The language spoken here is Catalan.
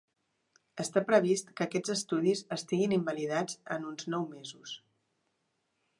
Està previst que aquests estudis estiguin invalidats en uns nou mesos.